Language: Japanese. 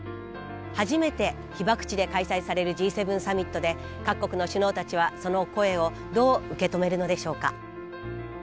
初めて被爆地で開催されるＧ７サミットで各国の首脳たちはその声をどう受け止めるのでしょうか。